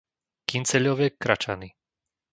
Kynceľove Kračany